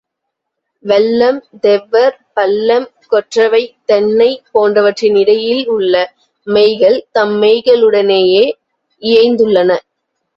வெல்லம், தெவ்வர், பள்ளம், கொற்றவை, தென்னை போன்றவற்றின் இடையில் உள்ள மெய்கள் தம் மெய்களுடனேயே இயைந்துள்ளன.